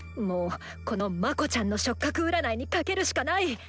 もうこの「まこちゃん」の触覚占いに賭けるしかない！